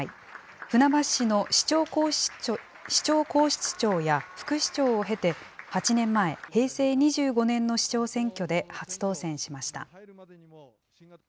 船橋市の市長公室長や副市長を経て８年前、平成２５年の市長選挙で初当選しました。